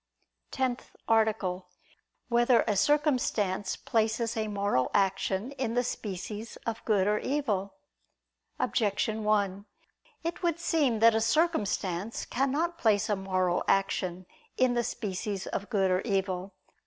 ________________________ TENTH ARTICLE [I II, Q. 18, Art. 10] Whether a Circumstance Places a Moral Action in the Species of Good or Evil? Objection 1: It would seem that a circumstance cannot place a moral action in the species of good or evil.